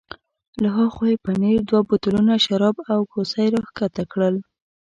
له ها خوا یې پنیر، دوه بوتلونه شراب او کوسۍ را کښته کړل.